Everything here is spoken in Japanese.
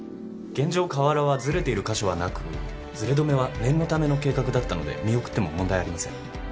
現状瓦はずれている箇所はなくずれ止めは念のための計画だったので見送っても問題ありません。